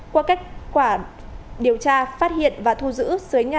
qua kết quả điều tra phát hiện và thu giữ nhà